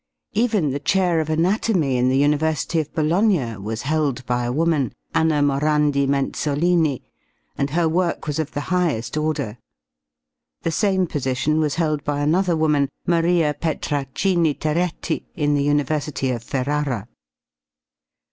Even the chair of anatomy in the University of Bologna was held by a woman, Anna Morandi Menzolini, and her work was of the highest order. The same position was held by another woman, Maria Petraccini Terretti, in the University of Ferrara.